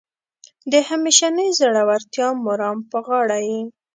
د همیشنۍ زړورتیا مرام په غاړه یې.